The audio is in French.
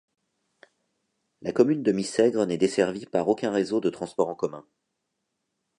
La commune de Missègre n'est desservie par aucun réseau de transport en commun.